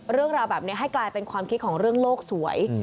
เรื่องราวแบบนี้ให้กลายเป็นความคิดของเรื่องโลกสวย